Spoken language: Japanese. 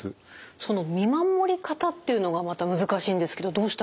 その見守り方っていうのがまた難しいんですけどどうしたらいいんでしょうか？